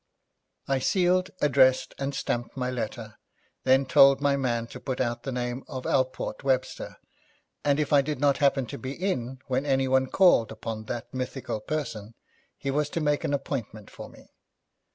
I sealed, addressed, and stamped my letter, then told my man to put out the name of Alport Webster, and if I did not happen to be in when anyone called upon that mythical person, he was to make an appointment for me.